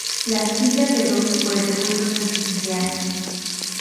Las quillas de dos fueron puestas al siguiente año.